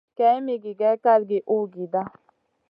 Kaïn mi gigè kalgi uhgida.